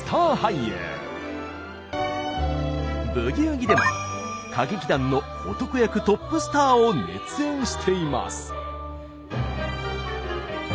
「ブギウギ」でも歌劇団の男役トップスターを熱演しています。